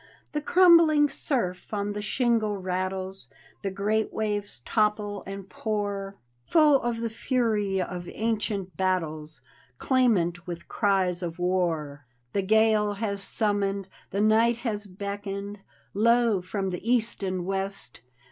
The crumbling surf on the shingle rattles. The great waves topple and pour. Full of the fury of ancient battles, Clamant with cries of war. The gale has summoned, the night has beckoned— Lo, from the east and west.